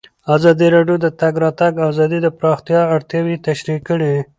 ازادي راډیو د د تګ راتګ ازادي د پراختیا اړتیاوې تشریح کړي.